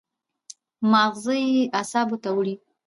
مازغه ئې اعصابو ته وړي